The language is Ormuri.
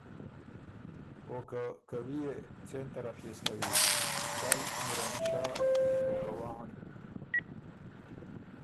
او که کوی يې څېن طرف يې سو کوی، ټل، میروم شا او که وانړ۔